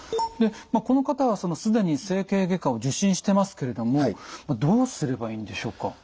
この方はすでに整形外科を受診してますけれどもどうすればいいんでしょうか？